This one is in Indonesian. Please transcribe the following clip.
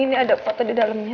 ini ada foto di dalamnya